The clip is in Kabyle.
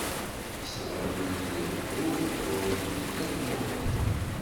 Ḥesbeɣ iman-iw d ayyur, ɣur-i medden akk mmuqlen.